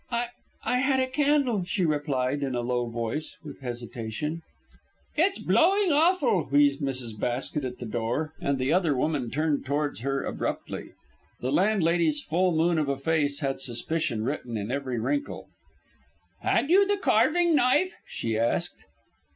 "I I had a candle," she replied, in a low voice and with hesitation. "It's blowing awful," wheezed Mrs. Basket at the door, and the other woman turned towards her abruptly. The landlady's full moon of a face had suspicion written in every wrinkle. "Had you the carving knife?" she asked.